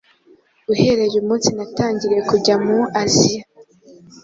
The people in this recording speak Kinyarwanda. uhereye umunsi natangiriye kujya mu Asiya,